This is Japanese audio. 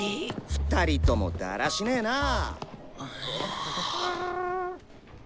２人ともだらしねなぁ。